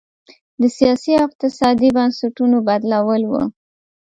د سیاسي او اقتصادي بنسټونو بدلول و.